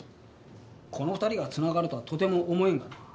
この２人が繋がるとはとても思えんがな。